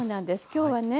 今日はね